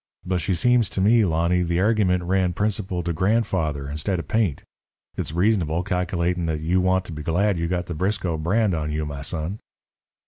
But she seems to me, Lonny, the argyment ran principal to grandfather, instead of paint. It's reasonable calculatin' that you want to be glad you got the Briscoe brand on you, my son."